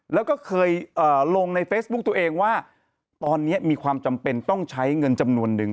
แล้วก็เคยลงในเฟซบุ๊กตัวเองว่าตอนนี้มีความจำเป็นต้องใช้เงินจำนวนนึง